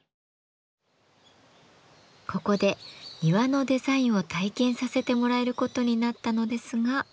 ここで庭のデザインを体験させてもらえることになったのですが。